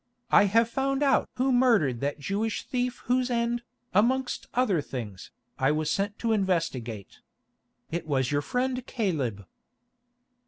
I have found out who murdered that Jewish thief whose end, amongst other things, I was sent to investigate. It was your friend Caleb."